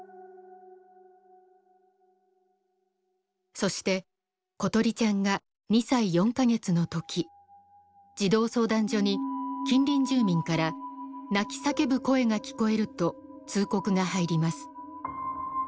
そして詩梨ちゃんが２歳４か月の時児童相談所に近隣住民から泣き叫ぶ声が聞こえると通告が入ります。